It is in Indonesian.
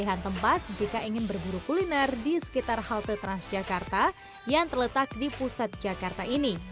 pilihan tempat jika ingin berburu kuliner di sekitar halte transjakarta yang terletak di pusat jakarta ini